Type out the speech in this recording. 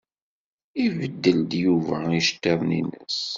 Ibeddel-d Yuba iceḍḍiḍen-nnes.